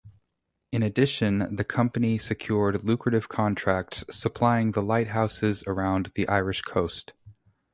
In addition the company secured lucrative contracts supplying the lighthouses around the Irish coast.